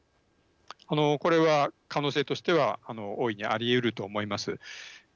これは可能性としては大いにありうると思います。